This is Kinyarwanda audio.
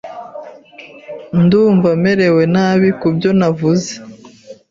Ndumva merewe nabi kubyo navuze.